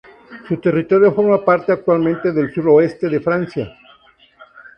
Su territorio forma parte actualmente del sur-oeste de Francia.